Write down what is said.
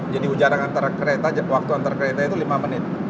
jadi ujarak antar kereta waktu antar kereta itu lima menit